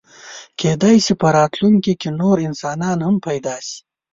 کېدی شي په راتلونکي کې نور انسانان هم پیدا شي.